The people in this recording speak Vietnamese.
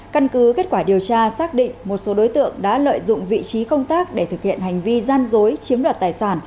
căn cứ kết quả điều tra xác định một số đối tượng đã lợi dụng vị trí công tác để thực hiện hành vi gian dối chiếm đoạt tài sản